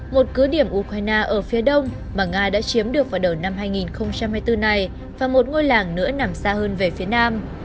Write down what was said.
một cứ điểm ukraine ở phía đông mà nga đã chiếm được vào đầu năm hai nghìn hai mươi bốn này và một ngôi làng nữa nằm xa hơn về phía nam